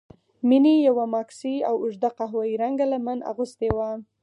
مينې يوه ماکسي او اوږده قهويي رنګه لمن اغوستې وه.